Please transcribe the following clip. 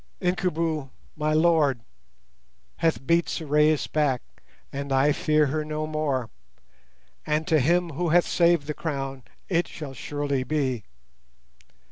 Incubu, my lord, hath beat Sorais back, and I fear her no more, and to him who hath saved the Crown it shall surely be.